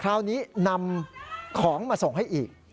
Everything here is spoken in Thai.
คราวนี้นำของมาส่งให้อีก